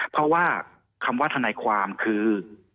เพราะว่าคำว่าทนายความคือ